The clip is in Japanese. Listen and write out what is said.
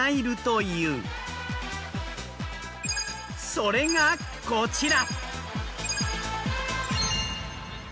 それがこちら。